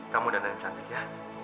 kamu dan yang cantik ya